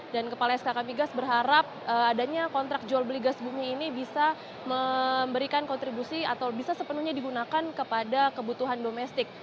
dan kepala skk migas berharap adanya kontrak jual beli gas bumi ini bisa memberikan kontribusi atau bisa sepenuhnya digunakan kepada kebutuhan domestik